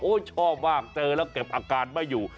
ชอบมากเจอแล้วเก็บอาการไม่อยู่